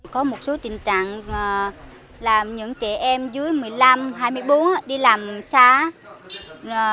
có một số tình trạng làm những trẻ em dưới một mươi năm hai mươi bốn đi làm xa